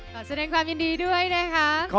ขอแสดงความยินดีด้วยนะคะ